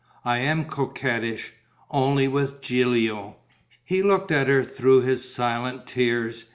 I am coquettish ... only with Gilio." He looked at her through his silent tears.